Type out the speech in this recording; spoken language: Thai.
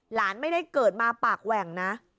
หลานไม่ได้เกิดมาปากแหว่งนะ